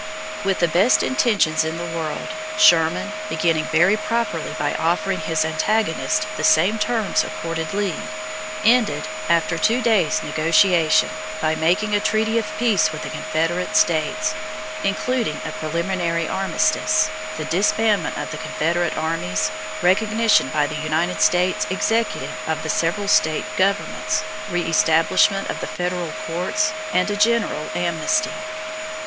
With the best intentions in the world, Sherman, beginning very properly by offering his antagonist the same terms accorded Lee, ended, after two days' negotiation, by making a treaty of peace with the Confederate States, including a preliminary armistice, the disbandment of the Confederate armies, recognition by the United States Executive of the several State governments, reëstablishment of the Federal courts, and a general amnesty.